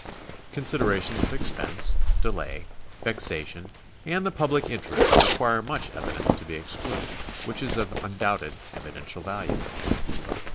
Considerations of expense, delay, vexation, and the public interest require much evidence to be excluded which is of undoubted evi dential value.